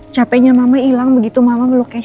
capeknya mama hilang begitu mama ngeluk keisha